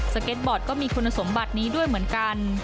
เก็ตบอร์ดก็มีคุณสมบัตินี้ด้วยเหมือนกัน